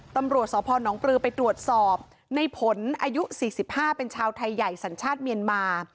ตำรวจสพนปลือไปตรวจสอบในผลอายุ๔๕เป็นชาวไทยใหญ่สัญชาติเมียนมา